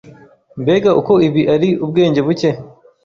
Mbega uko ibi ari ubwenge buke!